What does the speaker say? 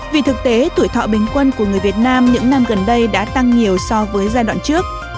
vì thực tế tuổi thọ bình quân của người việt nam những năm gần đây đã tăng nhiều so với giai đoạn trước